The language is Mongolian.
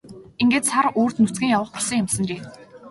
Ингээд сар үүрд нүцгэн явах болсон юмсанжээ.